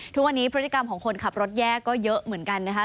ทุกวันนี้พฤติกรรมของคนขับรถแยกก็เยอะเหมือนกันนะคะ